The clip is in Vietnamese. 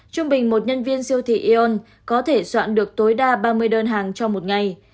trung bình một nhân viên siêu thị ion có thể soạn được tối đa ba mươi đơn hàng cho một ngày